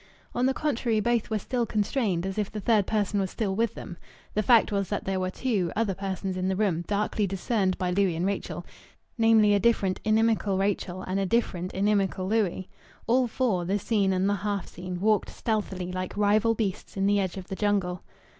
On the contrary, both were still constrained, as if the third person was still with them. The fact was that there were two other persons in the room, darkly discerned by Louis and Rachel namely, a different, inimical Rachel and a different, inimical Louis. All four, the seen and the half seen, walked stealthily, like rival beasts in the edge of the jungle.